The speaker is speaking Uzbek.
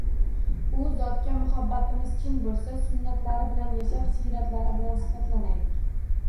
U zotga muhabbatimiz chin bo‘lsa, sunnatlari bilan yashab siyratlari bilan sifatlanaylik